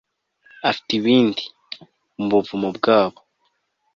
afite ibindi , mu buvumo bwabo